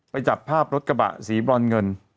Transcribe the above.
จับภาพรถกระบะสีบรอนเงิน